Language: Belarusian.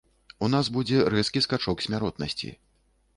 У нас будзе рэзкі скачок смяротнасці.